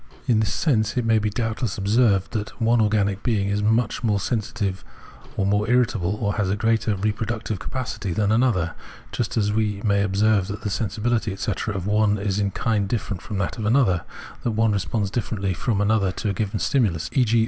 In this sense, it may doubtless be observed that one organic being is more sensitive, or more irritable, or has a greater reproductive capacity than another : just as we may observe that the sensibility, etc. of one is in kind different from that of another, that one responds differently from another to a given stimulus, e.g.